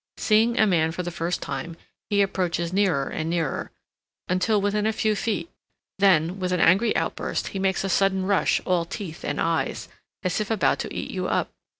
Seeing a man for the first time, he approaches nearer and nearer, until within a few feet; then, with an angry outburst, he makes a sudden rush, all teeth and eyes, as if about to eat you up.